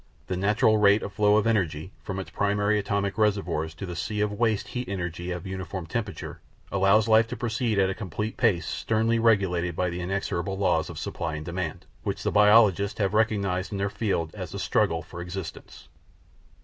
The natural rate of flow of energy from its primary atomic reservoirs to the sea of waste heat energy of uniform temperature, allows life to proceed at a complete pace sternly regulated by the inexorable laws of supply and demand, which the biologists have recognised in their field as the struggle for existence.